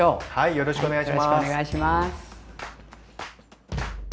よろしくお願いします。